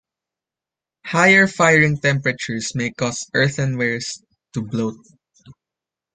Higher firing temperatures may cause earthenware to bloat.